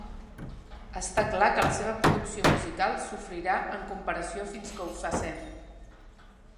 Està clar que la seva producció musical sofrirà en comparació fins que ho facem.